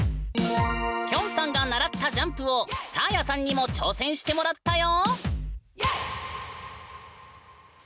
きょんさんが習ったジャンプをサーヤさんにも挑戦してもらったよ！